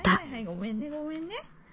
ごめんねごめんね。